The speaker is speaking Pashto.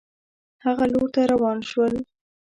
هغه لور ته روان شول.